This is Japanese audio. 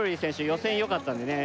予選よかったんでね